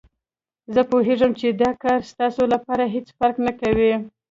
زه پوهېږم چې دا کار ستاسو لپاره هېڅ فرق نه کوي.